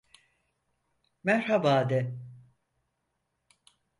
Merhaba de.